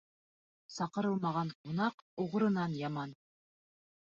Саҡырылмаған ҡунаҡ уғрынан яман.